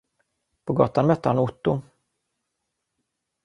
På gatan mötte han Otto.